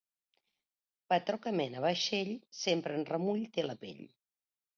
Patró que mena vaixell sempre en remull té la pell.